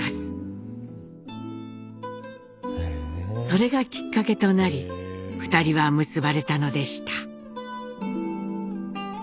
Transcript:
それがきっかけとなり２人は結ばれたのでした。